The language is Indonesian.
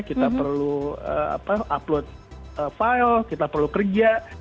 kita perlu upload file kita perlu kerja